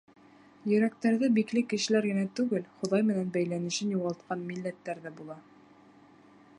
Йөрәктәре бикле кешеләр генә түгел, Хоҙай менән бәйләнешен юғалтҡан милләттәр ҙә була.